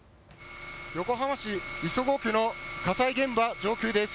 横浜市磯子区の火災現場上空です。